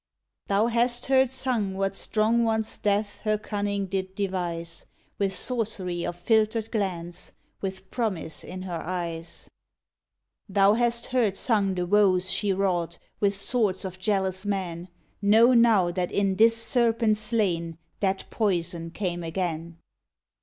Thou hast heard sung what strong one s death Her cunning did devise, With sorcery of philtred glance, With promise of her eyes. 12 THE WITCH Thou hast heard sung the woes she wrought With swords of jealous men : Know now that in this serpent slain That poison came again